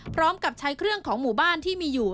พร้อมกับใช้เครื่องของหมู่บ้านที่มีอยู่